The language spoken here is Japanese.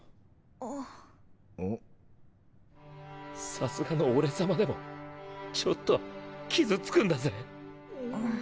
さすがの俺様でもちょっとは傷つくんだぜ。。